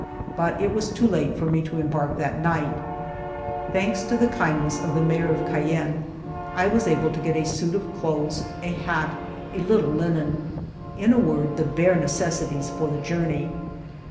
But it was too late for me to embark that night. ALFRED DREYFUS 295 Thanks to the kindness of the Mayor of Cay enne, I was able to get a suit of clothes, a hat, a little linen ; in a word, the bare necessities for the journey.